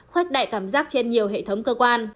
khoách đại cảm giác trên nhiều hệ thống cơ quan